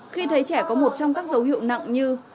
khi thấy trẻ có một trong các dấu hiệu nặng như